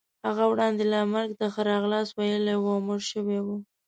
هغه وړاندې لا مرګ ته ښه راغلاست ویلی وو او مړ شوی وو.